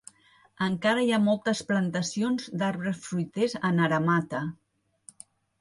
Encara hi ha moltes plantacions d'arbres fruiters a Naramata.